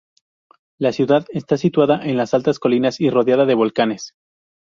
La ciudad está situada en las altas colinas y rodeada de volcanes.